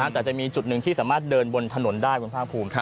แต่จะมีจุดหนึ่งที่สามารถเดินบนถนนได้คุณภาคภูมิ